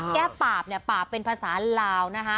แก้ปาบเนี่ยปาบเป็นภาษาลาวนะคะ